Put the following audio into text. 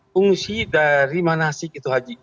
fungsi dari manasik itu haji